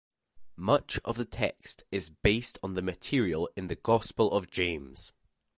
Much of the text is based on material in the Gospel of James.